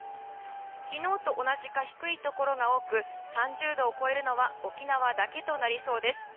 昨日と同じか低いところが多く３０度を超えるのは沖縄だけとなりそうです。